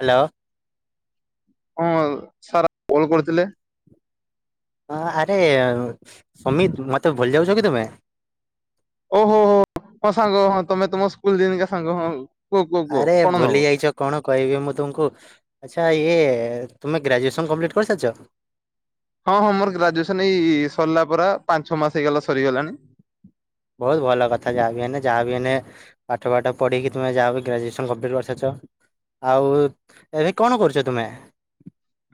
Hello. ହଁ sir କୋଉଡ୍‌ କୋଉଥିଲେ? ହଁ ଆରେ ସମିତ ମତେ ଭୁଲି ଯାଉଛ କି ତୁମେ? ଓହୋ ହୋ ହଁ ସାଙ୍ଗ ହଁ ତମେ ତମ ସ୍କୁଲ ଦିନିକା ସାଙ୍ଗ ହଁ। କୁହ କୁହ କୁହ ଆରେ କଣ ନବ? ଭୁଲି ଯାଇଚ଼ କଣ କହିବି ମୁଁ ତୁମକୁ? ଆଚ୍ଛା ଇଏ ତୁମେ ଗ୍ରାଜୁଏସନ କମ୍ପ୍ଲିଟ୍ କରିସାରିଛ। ହଁ ହଁ ମୋର ଗ୍ରାଜୁଏସନ ଏଇ ସରିଲା ପରା ପାଞ୍ଚଛଅ ମାସ ହେଇଗଲା ସରିଗଲାଣି। ବହୁତ ଭଲ କଥା ଯାହାବି ହେଲେ ଯାହାବି ହେଲେ ପାଠ ପାଠ ପଢ଼ିକି ତୁ ମେ ଯାହା ବି ଗ୍ରାଜୁଏସନ୍ କଂପ୍ଲିଟ୍ କରିସାରଛ। ଆଉ ଏବେ କଣ କରୁଛ ତୁମେ?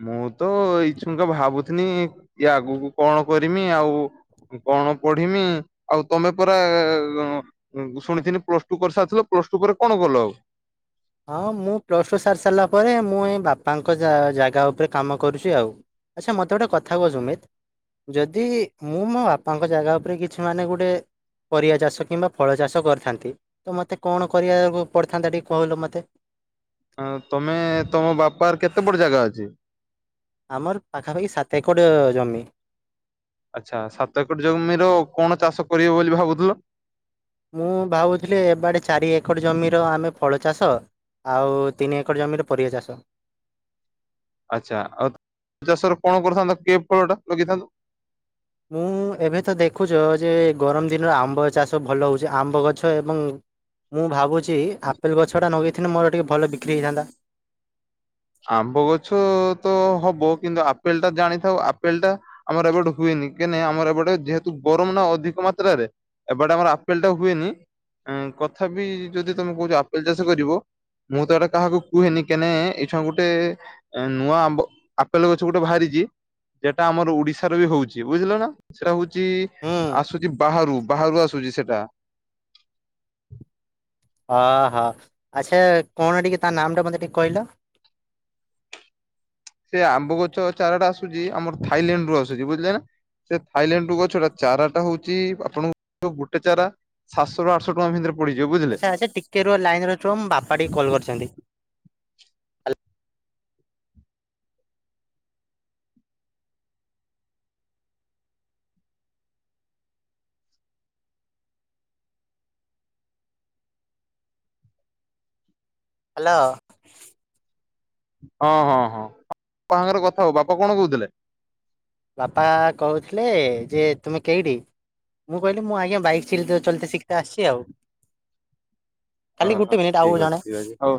ମୁଁ ତ ଇଛୁଙ୍କ ଭାବୁଥିନି ଇ ଆଗକୁ କଣ କରିମି ଆଉ କଣ ପଢିମି ଆଉ ତମେ ପରା ଶୁଣିଥିଲି ପ୍ଲସ ଟୁ କରିସାରିଥିଲ ପ୍ଲସ ଟୁ ପରେ କଣ ଗଲ ଆଉ? ହଁ ମୁଁ ପ୍ଲସ୍ ଟୁ ସାରି ସାରିଲା ପରେ ମୁଁ ଏ ବାପାଙ୍କ ଜା ଜାଗା ଉପରେ କାମ କରୁଛି ଆଉ। ଆଚ୍ଛା ମୋତେ ଗୋଟେ କଥାକୁହ ଜୁମିତ? ଯଦି ମୁଁ ମୋ ବାପାଙ୍କ ଜାଗା ଉପରେ କିଛି ମାନେ ଗୋଟେ ପରିବା ଚାଷ କିମ୍ବା ଫଳ ଚାଷ କରିଥାନ୍ତି ତ ମୋତେ କଣ କରିବାକୁ ପଡିଥାନ୍ତା ଟିକେ କହିଲ ମ ତେ। ହଁ ତମେ ତମ ବାପାର କେତେ ବଡ ଜାଗା ଅଛି? ଆମର ପାଖାପାଖି ସାତ ଏକଡ଼ ଜମି। ଆଚ୍ଛା ସାତ ଏକର ଜମିର କଣ ଚାଷ କରିବ ବୋଲି ଭାବୁଥିଲ? ମୁଁ ଭାବୁଥିଲି ଏବେଡ଼େ ଚାରି ଏକର ଜମିର ଆମେ ଫଳ ଚାଷ ଆଉ ତିନି ଏକର ଜମିରେ ପରିବା ଚାଷ ଆଚ୍ଛା ଆଉ ଚାଷରେ କଣ କରଥାନ୍ତତା କେଏ ଫଳ ଟା ଲଗେଇଥାନ୍ତ? ମୁଁ ଏବେ ତ ଦେଖୁଛ ଯେ ଗରମ ଦିନରେ ଆମ୍ବ ଚାଷ ଭଲ ହେଉଛି ଆମ୍ବ ଗଛ ଏବଂ ମୁଁ ଭାବୁଛି ଆପେଲ ଗଛ ଟା ଲଗେଇଥିଲେ ମୋର ଟିକେ ଭଲ ବିକ୍ରି ହେଇଥାନ୍ତା। ଆମ୍ବ ଗଛ ତ ହବ କିନ୍ତୁ ଆପେଲ ଟା ଜାଣିଥାଓ ଆପେଲ ଟା ଆମର ଏବେଟେ ହୁଏନି କାହିଁଁ ଆମର ଏବେଟେ ଯେହେତୁ ଗରମ ନା ଅଧିକ ମାତ୍ରାରେ ଏବେଟେ ଆମର ଆପେଲ ଟା ହୁଏନି କଥାପି ଯଦି ତମେ କହୁଛ ଆପେଲ ଚାଷ କରିବ ମୁଁ ତ ଏଇଟେ କାହାକୁ କୁହେନି କେନେ ଛାଗୁଟେ ନୂଆ ଆମ୍ୱ ଆପେଲ ଗଛ ଗୋଟେ ବାହାରିଛି ଯେଟା ଆମର ଓଡିଶାର ବି ହଉଛି ବୁଝିଲ ନା। ସେଟା ହଉଛି ହୁଁ ଆସୁଛି ବାହାରୁ ବାହାରୁ ଆସୁଛି ସେଟା ଆହା ଆଚ୍ଛା କଣ ଟିକେ ତା ନାମ ଟା ମତେ ଟିକେ କହିଲ। ସେ ଆମ୍ବ ଗଛ ଚାରାଟା ଆସୁଛି ଆମର ଥାଇଲାଣ୍ଡ ରୁ ଆସୁଛି ବୁଝିଲେ ନା ସେ ଥାଇଲାଣ୍ଡରୁୁ ଗଛଟା ଚାରାଟା ହଉଛି ଆପଣଙ୍କୁ ଗୋଟେ ଚାରା ସାତଶହ ର ଆଠଶ ଟଙ୍କା ଭିତରେ ପଡିଯିବ ବୁଝିଲେ ଆଚ୍ଛା ଆଚ୍ଛା ଟିକେ ରୁହ ଲାଇନ ରୁହ ବାପା ଟିକେ କଲ କରିଛନ୍ତି। ହାଲୋ। ହଁ ହଁ ହଁ ବାପାଙ୍କର କଥା ହୁଅ ବାପା କଣ କହୁଥିଲେ? ବାପା କହୁଥିଲେ ଯେ ତୁମେ କେଇଟି? ମୁଁ କହିଲି ମୁଁ ଆଜ୍ଞା ବାଇକ୍ ଚଲିତ ଶିଖତ ଆସିଛି ଆଉ। ଅ ଖାଲି ଗୋଟେ ହ ମିନିଟ୍ ଆଉ ଠିକ ଜଣେ ଅଛି ଠିକ ଅଛି ହଉ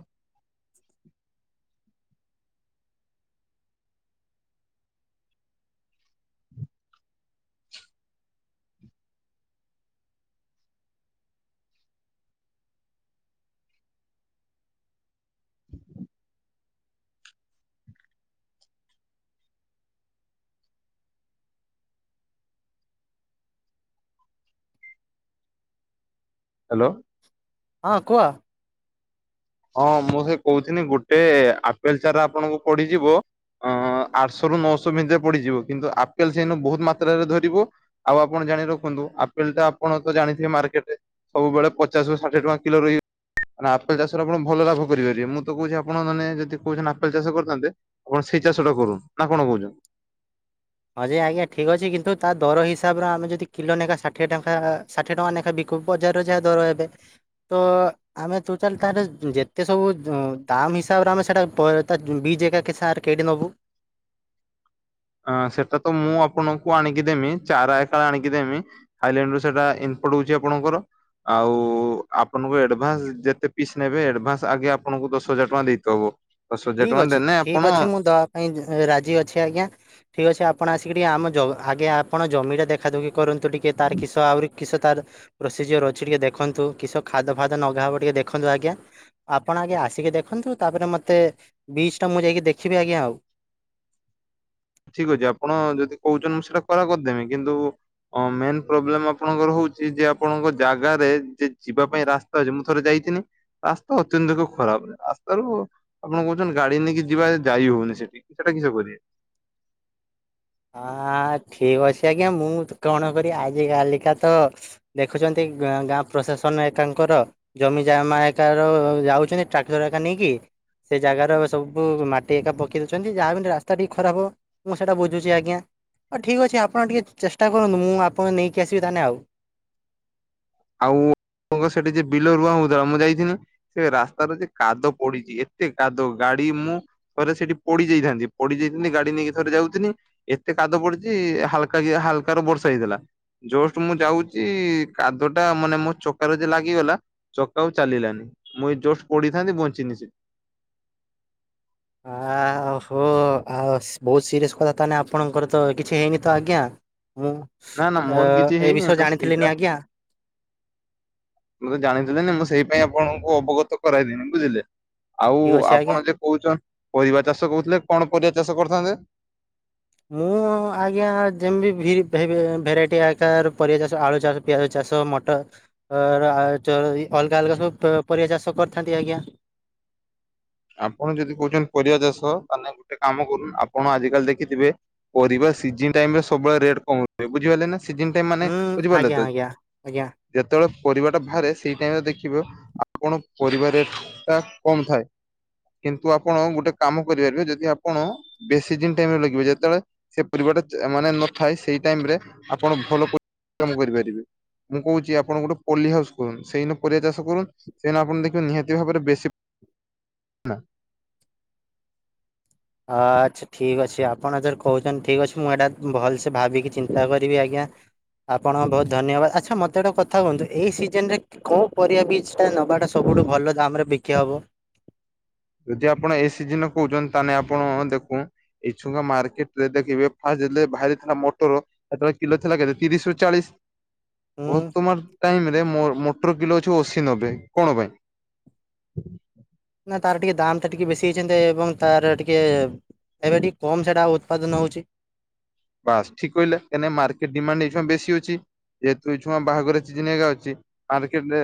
ହଁ [inaudible] ହାଲୋ। ହଁ କୁହ? ହଁ ମୁଁ ସେ କହୁିନି ଗୋଟେ ଆପେଲ ଚାରା ଆପଣଙ୍କୁ ପଡିଯିବ ଅ ଆଠଶହ ରୁ ନଅଶହ ଭିତରେ ପଡିଯିବ କିନ୍ତୁ ଆପେଲ ସେଇନୁ ବହୁତ ମାତ୍ରାରେ ଧରିବ। ଆଉ ଆପଣ ଜାଣି ରଖନ୍ତୁ ଆପେଲ ତ ଆପଣ ତ ଜାଣିଥିବେ ମାର୍କେଟରେ ସବୁବେଳେ ପଚାଶରୁ ଷାଠିଏ ଟଙ୍କା କିଲୋ ରହିବ। ଆପଲ ଚାଷ ଆପଣ ଭଲ ଲାଭ କରିପାରିବେ ମୁଁ ତ କହୁଛି ଆପଣ ମାନେ ଯଦି କହୁଛନ୍ତି, ଆପଲ ଚାଷ କରିଥାନ୍ତେ ଆପଣ ସେଇ ଚାଷ ଟା କରୁନ୍ତୁ ନା କଣ କହୁଛ? ହ ଯେ ଆଜ୍ଞା ଠିକ ଅଛି କିନ୍ତୁ ତା ଦର ହିସାବରେ ଆମେ ଯଦି କିଲୋ ଲେଖା ଷାଠିଏ ଟଙ୍କା ଷାଠିଏ ଟଙ୍କା ବିକ କୁ ବଜାରରେ ଯାହା ଦର ଏବେ ତ ଆମେ ତୁ ଚା ତାର ଯେତେ ସବୁ ଦମ୍ ହିସାବରେ ଆମେ ସେଟା ବିଜ ଏକା କି ସାର କେଡ଼ି ନବୁ ଅ ସେଟା ତ ମୁଁ ଆପଣଙ୍କୁ ଆଣିକି ଦେମି ଚାରା ଏ କାଳ ଆଣିକି ଦେମି। ଆଇଲାଣ୍ଡ ର ସେଇଟା ଇନପୋର୍ଟ ହଉଛି ଆପଣଙ୍କର। ଆଉ ଆପଣଙ୍କୁ ଆଡଭାନ୍ସ ଯେତେ ପିସ୍ ନେବେ ଆଡଭାନ୍ସ ଆଗେ ଆପଣଙ୍କୁ ଦଶ ହଜାର ଟଙ୍କା ଦେଇତବ। ଦଶ ହଜାର ଟଙ୍କା ଦେନେ ଆପଣ ନାଇ ରାଜି ଅଛି ଆଜ୍ଞା ଠିକ୍ ଅଛି ଆପଣ ଆସିକି ଟିକେ ଆମ ଜ ଆଗେ ଆପଣ ଜମିଟା ଦେଖାଦୁଖି କରନ୍ତୁ ଟିକେ ତାର କିଷ ଆହୁରି କିସ ତାର ପ୍ରୋସିଜିର ଅଛି ଟିକେ ଦେଖନ୍ତୁ କିସ ଖାଦ ଫାଦ ନଗାହବ ଟିକେ ଦେଖନ୍ତୁ ଆଜ୍ଞା। ଆପଣ ଆଜ୍ଞା ଆସିକି ଦେଖନ୍ତୁ ତାପରେ ମତେ ବିଜ ଟା ମୁଁ ଯାଇକି ଦେଖିବି ଆଜ୍ଞା ଆଉ। ଠିକ ଅଛି ଆପଣ ଯଦି କହୁଛନ୍ତି ମୁଁ ସେଇଟା କରା କରିଦେମି କିନ୍ତୁ ଅଁ ମେନ୍ ପ୍ରୋବ୍ଲେମ ଆପଣଙ୍କର ହଉଛି ଯେ ଆପଣଙ୍କ ଜାଗାରେ ଯେ ଯିବା ପାଇଁ ରାସ୍ତା ଅଛି ମୁଁ ଥରେ ଯାଇଥିନି। ରାସ୍ତା ଅତ୍ୟନ୍ତକ ଖରାପ ରାସ୍ତାରୁ ଆପଣ କହୁଛନ୍ତି ଗାଡି ନେଇକି ଯିବା ଯାଇ ହଉନି ସେଠି ସେଟା କିସ କରିବେ? ହଁ ଠିକ୍ ଅଛି ଆଜ୍ଞା। ମୁଁ କଣ କରିବି ଆଜି କାଲିକା ତ ଦେଖୁଛନ୍ତି ଗାଁ ପ୍ରଶାସନ ଏକାଙ୍କର। ଜମି ଜମା ଏକ ଯାଉଛନ୍ତି ଟ୍ରାକ୍ଟର ଏକା ନେଇକି। ସେ ଜାଗାର ସବୁଠୁ ମାଟି ଏକା ପକେଇ ଦଉଛନ୍ତି। ଯାହାବି ରାସ୍ତା ଟିକେ ଖରାପ ହବ। ମୁଁ ସେଇଟା ବୁଝ ଝୁଛି ଆଜ୍ଞା ହଉ ଠିକ୍ ଅଛି। ଆପଣ ଟିକିେ ଚେଷ୍ଟା କରନ୍ତୁ। ମୁଁ ଆପଣ ନେଇକି ଆସିବି ତାହେଲେ ଆଉ। ଆଉ ସେଠି ଯେ ବିଲ ରୁଆ ହଉ ମୁଁ ଯାଇଥିଲି। ସେ ରାସ୍ତାର ଯେ କାଦ ପଡିଛି। ଏତେ କାଦ ଗାଡି ମୁଁ ଥରେ ସେଠି ପଡି ଯାଇଥାନ୍ତି। ପଡି ଯାଇଥାନ୍ତି ଗାଡି ନେଇକି ଥରେ ଯାଉଥିଲି। ଏତେ କାଦୁଅ ପଡିଚି ହାଲକା କି ହାଲକାର ବର୍ଷା ହେଇଥିଲା। ଜଷ୍ଟ ମୁଁ ଯାଉଛି କାଦ ଟା ମାନେ ମୋ ଚକାରେ ଯେ ଲାଗିଗଲା। ଚକା ଆଉ ଚାଲିଲାନି। ମୁଇଁ ଜଷ୍ଟ ପଡିିଥାନ୍ତି। ବଞ୍ଚିନି ସେ। ଆହୋ ଆଉ ବହୁତ ସିରିଅସ କଥା ତାନେ ଆପଣଙ୍କର ତ କିଛି ହେଇନି ତ ଆଜ୍ଞା। ହଁ ନା ନା ମୋର କିଛି ଏ ହେଇନି ବିଷୟରେ ମୁଁ ସେଇଟା ଜାଣିଥିଲିନି ଆଜ୍ଞା। ମତେ ଜାଣିଥିଲେନି ମୁଁ ସେଇ ପାଇଁ ଆପଣଙ୍କୁ ଅବଗତ କରାଇଦିନି ବୁଝିଲେ। ଆଉ ଠିକ ଅଛି ଆଜ୍ଞା। ଆପଣ ଯେ କହୁଛନ୍ତି ପରିବା ଚାଷ କହୁଥିଲେ କଣ ପରିବା ଚାଷ କରିଥାନ୍ତେ? ମୁଁ ଆଜ୍ଞା ଯେମିତି ଭି ଭେ ଭେରାଇଟି ଆକାର ପରିବା ଚାଷ ଆଳୁ ଚାଷ ପିଆଜ ଚାଷ ମଟର ଅଲଗା ଅଲଗା ସବୁ ପରିବା ଚାଷ କରିଥାନ୍ତି ଆଜ୍ଞା। ଆପଣ ଯଦି କହୁଛନ୍ତି ପରିବା ଚାଷ ତାହାଲେ ଗୋଟେ କାମ କରୁନ ଆପଣ ଆଜି କାଲି ଦେଖିଥିବେ। ପରିବା ସିଜିନ୍ ଟାଇମ୍ ରେ ସବୁବେଳେ ରେଟ୍ କମ୍ ବୁଝିପାଇଲେ ନା। ସିଜିନ୍ ମାନେ ହୁଁ ବୁଝିପାରିଲେ ଆଜ୍ଞା ତ। ଆଜ୍ଞା ଆଜ୍ଞା ଯେତେବେଳେ ପରିବା ଟା ବାହାରେ ସେଇ ଟାଇମରେ ଦେଖିବେ ଆପଣ ପରିବା ରେଟ୍ ଟା କମ୍ ଥାଏ। କିନ୍ତୁ ଆପଣ ଗୋଟେ କାମ କରିପାରିବେ। ଯଦି ଆପଣ ବେଶୀ ଦିନ ଟାଇମରେ ଲଗିବେ। ଯେତେବେଳେ ସେ ପରିବାଟା ମାନେ ନଥାଏ। ସେଇ ଟାଇମ ରେ ଆପଣ ଭଲ ପରିଶ୍ରମ କରିପାରିବେ। ମୁଁ କହୁଛି ଆପଣ ଗୋଟେ ପୋଲି ହାଉସ କରୁନ ସେଇଦିନ ପରିବା ଚାଷ କରୁ ସେଦିନ ଆପଣ ଦେଖିବେ। ନିହାତି ଭାବରେ ବେଶୀ ନା। ଆଠ୍ ଠିକ୍ ଅଛି ଆପଣ ଯର କହୁଛନ୍ତି ଠିକ୍ ଅଛି। ମୁଁ ଏଇଟା ଭଲସେ ଭାବିକି ଚିନ୍ତା କରିବି ଆଜ୍ଞା। ଆପଣଙ୍କ ବହୁତ ଧନ୍ୟବାଦ। ଆଚ୍ଛା ମୋତେ ଗୋଟେ କଥା କୁହନ୍ତୁ ଏଇ ସିଜିନ୍ ରେ କୋଉ ପରିବା ବିଚ୍ ଟା ନବାଟା ସବୁଠୁ ଭଲ ଦାମ୍ ରେ ବିକି ହବ। ଯଦି ଆପଣ ଏ ସିଜିନ କହୁଛନ୍ତି। ତାହାନେ ଆପଣ ଦେଖୁ। ଏଇଛୁଙ୍କା ମାର୍କେଟ ରେ ଦେଖିବେ ଫାଷ୍ଟ ବାହାରି ଥିଲା ମୋଟର। ଏତେବେଳେ କିଲୋ ଥିଲା କେତେ ତିରିଶ୍ ରୁ ଚାଳିଶ୍। ହୁଁ ବର୍ତମାନ ଟାଇମ୍ ରେ ମୋର ମୋଟର କିଲୋ ଅଛି ଅଶୀ ନବେ। କଣ ପାଇଁ? ନା ତାର ଟିକେ ଦାମ୍ ଟା ଟିକେ ବେଶୀ ହେଇଛନ୍ତି। ଏବଂ ତାର ଟିକେ ଏବେ ଟିକେ କମ୍ ସେଟା ଉତ୍ପାଦନ ହଉଛି। ବାସ୍ ଠିକ କହିଲେ। କାହିଁକି ନା ମାର୍କେଟ ଡିମାଣ୍ଡ ଏଇଛୁଆ ବେଶୀ ଅଛି। ଯେହେତୁ ଏଇୁଆ ବାହାଘର ସିଜିନ୍ ଆଜ୍ଞା ଅଛି। ମାର୍କେଟରେ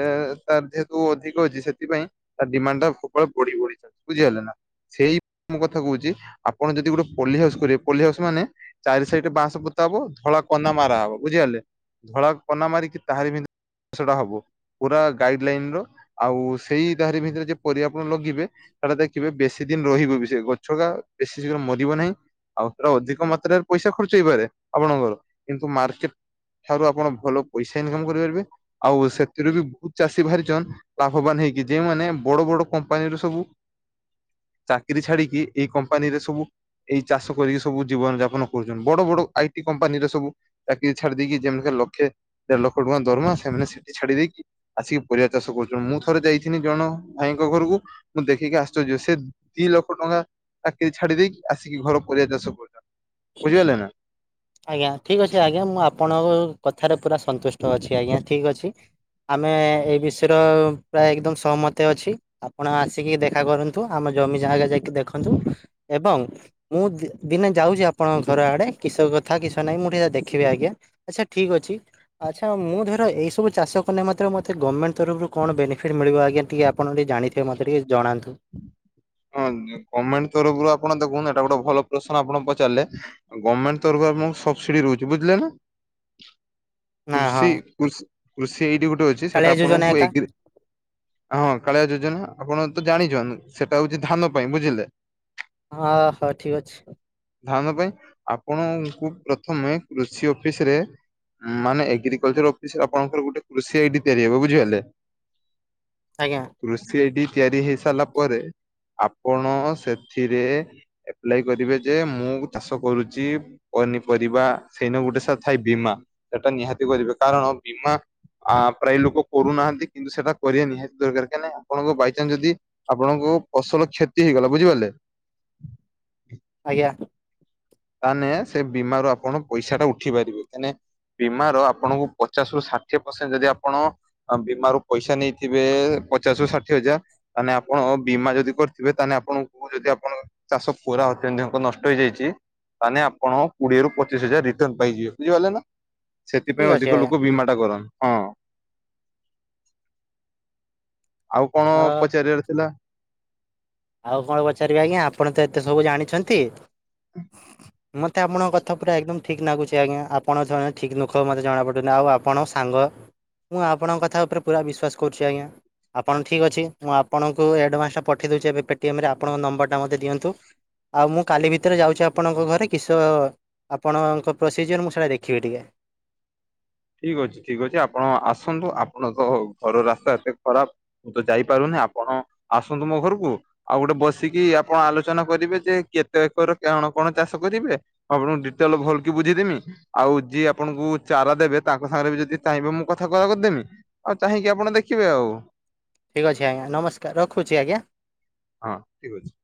ତାର ଯେହେତୁ ଅଧିକ ଅଛି। ସେଥିପାଇଁ ତାର ଡିମାଣ୍ଡ ଟା ସବୁବେଳେ ବଢି ବଢି ଚାଲିବ। ବୁଝିଗଲା ନା ସେଇ ମୁଁ କଥା କହୁଛି ଆପଣ ଯଦି ଗୋଟେ ପୋଲି ହାଉସ କରିବେ। ପୋଲି ହାଉସ୍ ମାନେ ଚାରି ସାଇଟ୍ ବାଉଁଶ ପୋତା ହବ। ଧଳା କନା ମାରା ହବ। ବୁଝିଗେଲେ ଧଳା କନା ମାରିକି ତାହାରି ଭିନ୍ଧ ସେଟା ହବ ପୁରା ଗାଇଡ୍ ଲାଇନ୍ ର। ଆଉ ସେଇ ଦହାରି ଭିତରେ ଯେ ପରିବା ଆପଣ ଲଗିବେ। ତାଟା ଦେଖିବେ ବେଶୀ ଦିନ ରହିବୁ। ଗଛ ଟା ବେଶୀ ଶୀଘ୍ର ମରିବ ନାହିଁ। ଆଉ ସେଟା ଅଧିକ ମାତ୍ରାରେ ପଇସା ଖର୍ଚ୍ଚ ହେଇପାରେ ଆପଣଙ୍କର। କିନ୍ତୁ ମାର୍କେଟ୍ ଠାରୁ ଆପଣ ଭଲ ପଇସା ଇନକମ୍ କରିପାରିବେ। ଆଉ ସେଥିରୁ ବି ବହୁତ ଚାଷୀ ବାହାରିଛନ୍। ଲାଭବାନ ହେଇକି ଯେଉଁମାନେ ବଡ ବଡ କମ୍ପାନୀରୁ ସବୁ ଚାକିରୀ ଛାଡିକି ଏଇ କମ୍ପାନୀରେ ସବୁ ଏଇ ଚାଷ କରିକି ସବୁ ଜୀବନ ଯାପନ କରୁ ବଡ ବଡ ଆଇଟି କମ୍ପାନୀରେ ସବୁ ଚାକିରୀ ଛାଡି ଦେଇକି ଯେମିତି ଲକ୍ଷେ ଦେଢ ଲକ୍ଷ ଟଙ୍କା ଦରମା ସେମାନେ ସେଠି ଛାଡି ଦେଇକି ଆସିକି ପରିବା ଚାଷ କରୁଛ। ମୁଁ ଥରେ ଯାଇଥିଲିନି ଜଣ ଭାଇଙ୍କ ଘରକୁ। ମୁଁ ଦେଖିକି ଆଶ୍ଚର୍ଯ୍ୟ ସେ ଦି ଲକ୍ଷ ଟଙ୍କା ଚାକିରି ଛାଡି ଦେଇକି ଆସିକି ଘର ପରିବା ଚାଷ କରୁଛନ୍ତି। ବୁଝିହେଲନା। ଆଜ୍ଞା ଠିକ ଅଛି ଆଜ୍ଞା ମୁଁ ଆପଣଙ୍କ କଥାରେ ପୁରା ସନ୍ତୁଷ୍ଟ ଅଛି ଆଜ୍ଞା ଠିକ ଅଛି। ଆମେ ଏ ବିଷୟରେ ପ୍ରାୟ ଏକଦମ ସହମତି ଅଛି। ଆପଣ ଆସିକି ଦେଖା କରନ୍ତୁ ଆମ ଜମି ଜାଗା ଯାଇକି ଦେଖନ୍ତୁ ଏବଂ ମୁଁ ଦିନେ ଯାଉଛି ଆପଣଙ୍କ ଘର ଆଡେ କିଷ କଥା କିଛି ନହିଁ ମୁଁ ଟିକେ ଦେଖିବି ଆଜ୍ଞା ଆଚ୍ଛା ଠିକ ଅଛି। ଆଚ୍ଛା ମୁଁ ଧର ଏଇସବୁ ଚାଷ କଲେ ମୋତେ ଗମେଣ୍ଟ ତରଫରୁ କଣ ବେନିଫିଟ ମିଳିବ ଆଜ୍ଞା ଟିକେ ଆପଣି ଯଦି ଜଣିଥିବେ ମତେ ଟିକେ ଜଣାନ୍ତୁ। ହଁ ଗମେଣ୍ଟ ତରଫରୁ ଆପଣ ଦେଖନ୍ତୁ ଏଇଟା ଗୋଟେ ଭଲ ପ୍ରଶ୍ନ ଆପଣ ପଚାରିଲେ। ଗମେଣ୍ଟ ତରରୁ ଆମ ସବସିଡି ରହୁଚି ବୁଝିଲେ ନା। ନା ହଁ କୃଷିୃି କୃଷି ଏଇଠି ଗୋଟେ ଅଛି କାଳିଆ ସେଟା ଯୋଜନା ଆପଣଙ୍କୁ ଏକା ଏଗ୍ରୀ ହଁ କାଳିଆ ଯୋଜନା ଆପଣ ତ ଜାଣିଛନ୍ତି ସେଟା ସେଟା ହଉଛି ଧାନ ପାଇଁ ବୁଝିଲେ। ହଁ ହଁ ଠିକ ଅଛି। ଧାନ ପାଇଁ ଆପଣଙ୍କୁ ପ୍ରଥମେ କୃଷି ଅଫିସ ରେ। ମାନେ ଏଗ୍ରିକଲଚର ଅଫିସରେ ଆପଣଙ୍କର ଗୋଟେ କୃଷି ଆଇଡି ତିଆରି ହେବ ବୁଝିପାରିଲେ। ଆଜ୍ଞା। କୃଷି ଆଇଡି ତିଆରି ହେଇ ସାରିଲା ପରେ। ଆପଣ ସେଥିରେ ଏପ୍ଲାଏ କରିବେ ଯେ ମୁଁ ଚାଷ କରୁଛି। ପନିପରିବା ସେଇନେ ଗୋଟେ ସା ଥାଏ ବୀମା ସେଟା ନିହାତି କରିବେ କାରଣ ବୀମା ଆ ପ୍ରାୟ ଲୋକ କରୁନାହାନ୍ତି କିନ୍ତୁ ସେଟା କରିବା ନିହାତି ଦରକାର କାହିଁକି ଆପଣଙ୍କ ବାଇଚାନ୍ସ ଯଦି ଆପଣଙ୍କୁ ଫସଲ କ୍ଷତି ହେଇଗଲା ବୁଝିପାରିଲେ। ଆଜ୍ଞା। ତାନେ ସେ ବୀମାରୁ ଆପଣ ପଇସା ଟା ଉଠି ପାରିବେ ଏଇନେ ବୀମାର ଆପଣଙ୍କୁ ପଚାଶ ରୁ ଷାଠିଏ ପର୍ସେଣ୍ଟ ଯଦି ଆପଣ ବୀମାରୁ ପଇସା ନେଇଥିବେ ପଚାଶରୁ ଷାଠିଏ ହଜାର। ତାନେ ଆପଣ ବୀମା ଯଦି କରିଥିବେ ତାନେ ଆପଣଙ୍କୁ ଯଦି ଆପଣ ଚାଷ ପୁରା ଅତ୍ୟଧିକ ନଷ୍ଟ ହେଇଯାଇଛି। ତାନେ ଆପଣ କୋଡ଼ିଏ ରୁ ପଚିଶ ହଜାର ରିଟର୍ନ ପାଇଯିବେ ବୁଝିପାରିଲେ ନା। ଠିକ୍ ସେଥିପାଇଁ ଅଛି ଅଧିକ ଆଜ୍ଞା ଲୋକ ବୀମା ଟା କରନ୍। ହଁ ଆଉ କଣ ହଁ। ପଚାରିବାର ଥିଲା। ଆଉ କଣ ପଚାରିବି ଆଜ୍ଞା ଆପଣ ତ ଏତେ ସବୁ ଜାଣିଛନ୍ତି। ମତେ ଆପଣଙ୍କ କଥା ପୁରା ଏକଦମ ଠିକ୍ ନାଗୁଛି ଆଜ୍ଞା ଆପଣ ଜଣେ ଠିକ୍ ନୁଖ ମତେ ଜଣାପଡ଼ୁଛନ୍ତି ଆଉ ଆପଣଙ୍କ ସାଙ୍ଗ। ମୁଁ ଆପଣଙ୍କ କଥା ଉପରେ ପୁରା ବିଶ୍ୱାସ କରୁଛି ଆଜ୍ଞା। ଆପଣ ଠିକ୍ ଅଛି ମୁଁ ଆପଣଙ୍କୁ ଆଡ଼ଭାନ୍ସଟା ପଠେଇ ଦେଉଛି ଏବେ ପେଟିଏମ ରେ ଆପଣଙ୍କ ନମ୍ବରଟା ମତେ ଦିଅନ୍ତୁ। ଆଉ ମୁଁ କାଲି ଭିତରେ ଯାଉଛି ଆପଣଙ୍କ ଘରେ କିଶ ଆପଣଙ୍କ ପ୍ରୋସିଜିଅର ମୁଁ ସେଇଟା ଦେଖିବି ଟିକେ। ଠିକ ଅଛି ଠିକ ଅଛି ଆପଣ ଆସନ୍ତୁ ଆପଣ ତ ଘର ରାସ୍ତା ଏତେ ଖରାପ। ମୁଁ ତ ଯାଇପାରୁନି ଆପଣ ଆସନ୍ତୁ ମୋ ଘରୁକୁ। ଆଉ ଗୋଟେ ବସିକି ଆପଣ ଆଲୋଚନା କରିବେ ଯେ କେତେ ଏକର କଣ କଣ ଚାଷ କରିବେ। ଆପଣଙ୍କୁ ଡିଟେଲ ଭଲ କି ବୁଝେଇ ଦେମି ଆଉ ଯିଏ ଆପଣଙ୍କୁ ଚାରା ଦେବେ ତାଙ୍କ ସାଙ୍ଗରେ ବି ଯଦି ଚାହିଁବେ ମୁଁ କଥା କର କରିଦେମି ଆଉ ଚାହିଁକି ଆପଣ ଦେଖିବେ ଆଉ। ଠିକ୍ ଅଛି ଆଜ୍ଞା ନମସ୍କାର ରଖୁଛି ଆଜ୍ଞା। ହଁ ଠିକ ଅଛି।